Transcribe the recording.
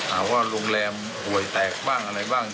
หาว่าโรงแรมป่วยแตกบ้างอะไรบ้าง